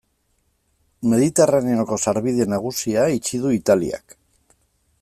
Mediterraneoko sarbide nagusia itxi du Italiak.